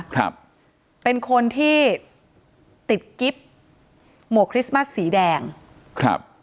ครับเป็นคนที่ติดกิ๊บหมวกคริสต์มัสสีแดงครับ